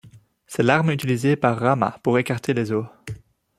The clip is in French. C'est l'arme utilisée par Rāma pour écarter les eaux.